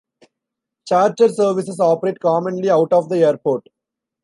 Charter services operate commonly out of the airport.